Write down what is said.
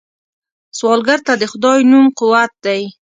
سوالګر ته د خدای نوم قوت دی